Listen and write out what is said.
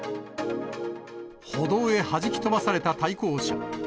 歩道へはじき飛ばされた対向車。